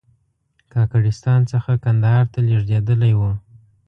کاکړستان څخه کندهار ته لېږدېدلی و.